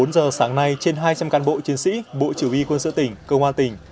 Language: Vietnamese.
bốn giờ sáng nay trên hai trăm linh can bộ chiến sĩ bộ chủ vi quân sự tỉnh công an tỉnh